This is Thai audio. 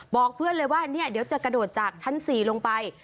บอกเพื่อนเลยว่าเดี๋ยวจะกระโดดจากชั้น๔ลงไป